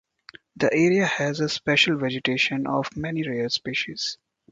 The area has a special vegetation of many rare species.